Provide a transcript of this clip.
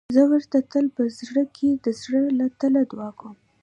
زه ورته تل په زړه کې د زړه له تله دعا کوم.